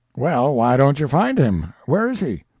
"Well, why don't you find him? Where is he?"